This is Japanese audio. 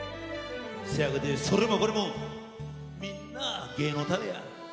せやかてそれもこれもみんな芸のためや。